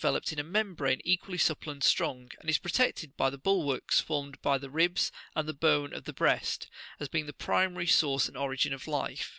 65 loped in a membrane equally supple and strong, and is pro tected by the bulwarks formed by the ribs and the bone of the breast, as being the primary source and origin of life.